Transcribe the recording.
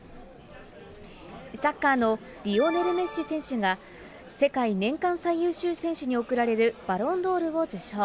サッカーのリオネル・メッシ選手が、世界年間最優秀選手に贈られる、バロンドールを受賞。